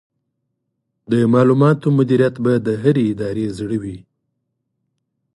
د معلوماتو مدیریت به د هرې ادارې زړه وي.